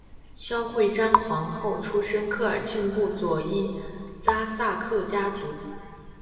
孝惠章皇后出身科尔沁部左翼扎萨克家族。